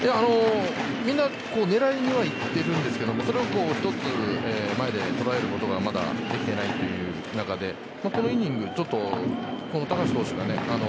みんな、狙いにはいってるんですけどそれを一つ前で捉えることがまだできてないという中でこのイニングちょっと高橋投手